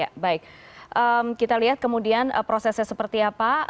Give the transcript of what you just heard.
ya baik kita lihat kemudian prosesnya seperti apa